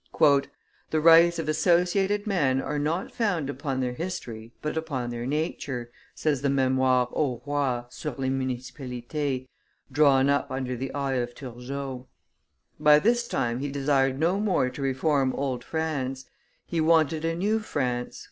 "The rights of associated men are not founded upon their history but upon their nature," says the Memoire au Roi sur les Municipalites, drawn up under the eye of Turgot. By this time he desired no more to reform old France; he wanted a new France.